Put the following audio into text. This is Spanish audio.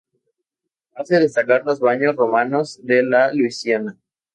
Hace destacar los baños romanos de La Luisiana.